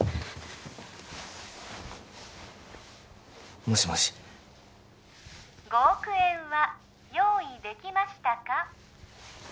もしもし５億円は用意できましたか？